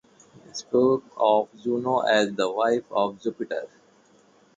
He spoke of Juno as the wife of Jupiter.